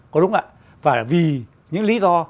có đúng ạ và vì những lý do